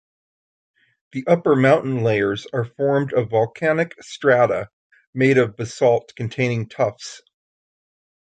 The upper mountain layers are formed of volcanic strata made of basalt containing tuffs.